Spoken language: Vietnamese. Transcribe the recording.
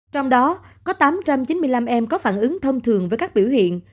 trong đó có tám trăm chín mươi năm em có phản ứng thông thường với các biểu hiện